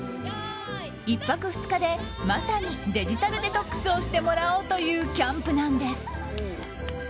１泊２日でまさにデジタルデトックスをしてもらおうというキャンプなんです。